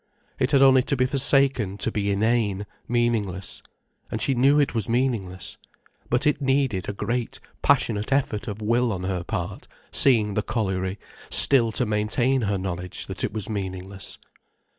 It had only to be forsaken to be inane, meaningless. And she knew it was meaningless. But it needed a great, passionate effort of will on her part, seeing the colliery, still to maintain her knowledge that it was meaningless.